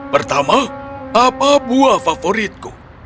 pertama apa buah favoritku